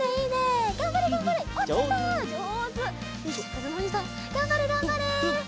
かずむおにいさんがんばれがんばれ！